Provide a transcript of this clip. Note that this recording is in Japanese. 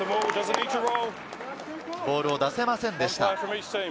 ボールを出せませんでした。